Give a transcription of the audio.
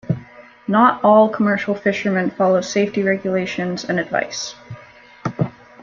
Not all commercial fishermen follow safety regulations and advice.